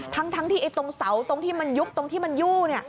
ทั้งที่ตรงเสาตรงที่มันยุบตรงที่มันยู่